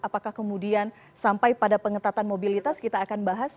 apakah kemudian sampai pada pengetatan mobilitas kita akan bahas